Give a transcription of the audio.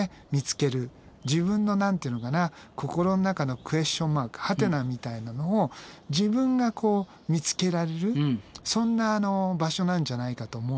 自分の何て言うのかな心の中のクエスチョンマークはてなみたいなのを自分が見つけられるそんな場所なんじゃないかと思うんだよね。